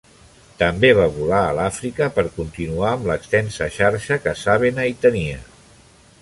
També va volar a l'Àfrica per continuar amb l'extensa xarxa que Sabena hi tenia.